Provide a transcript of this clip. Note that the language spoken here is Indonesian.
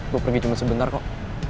gue pergi cuma sebentar kok